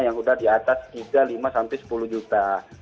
yang sudah di atas tiga puluh lima sampai sepuluh juta